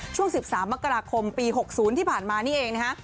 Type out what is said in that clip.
ช่วง๑๓มกราคมปี๖๐ที่ผ่านมานี่เองนะฮะ